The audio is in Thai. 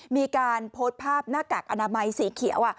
มีการโพสต์ภาพหน้ากากอนามัยสีเขียว